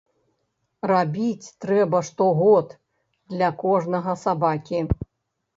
Рабіць трэба штогод для кожнага сабакі.